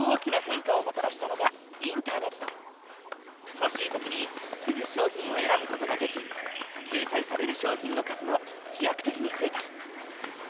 欲しい時にすぐ商品を選ぶ事ができ掲載される商品の数も飛躍的に増えた。